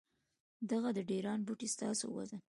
دغه د ډېران بوئي ستاسو وزن ،